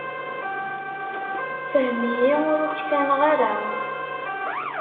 Fhem-iyi, ur uksaneɣ ara.